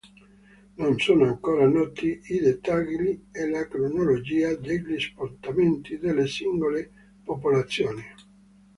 Non sono ancora noti i dettagli e la cronologia degli spostamenti delle singole popolazioni.